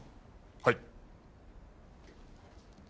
はい。